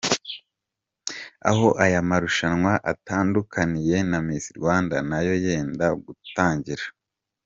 Aho aya marushanwa atandukaniye na Miss Rwanda nayo yenda gutangira.